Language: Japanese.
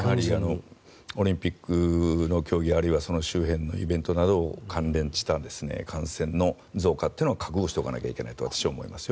オリンピックの競技あるいは周辺のイベントに関連した感染の増加というのは覚悟しておかないといけないと私は思いますよ。